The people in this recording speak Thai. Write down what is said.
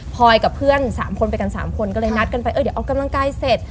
พอยกับเพื่อน๓คนไปกัน๓คนก็เลยนัดกันไปเออเดี๋ยวออกกำลังกายเสร็จ